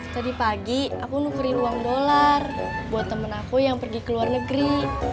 tadi pagi aku nukuri uang dolar buat temen aku yang pergi ke luar negeri